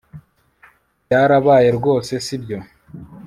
Byarabaye rwose sibyo